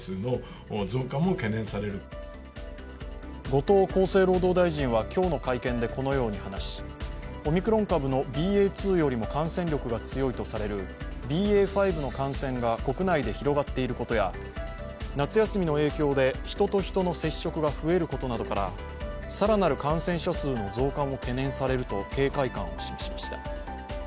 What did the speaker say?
後藤厚生労働大臣は今日の会見でこのように話しオミクロン株のＢＡ．２よりも感染力が強いとされるＢＡ．５の感染が国内で広がっていることや夏休みの影響で、人と人との接触が増えることから更なる感染者数の増加も懸念されると警戒感を示しました。